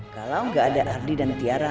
kalo gak ada ardi dan tiara